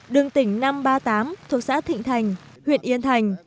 đường tỉnh năm trăm ba mươi tám thuộc xã thịnh thành huyện yên thành